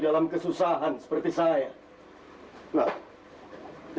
dalam kesusahan seperti saya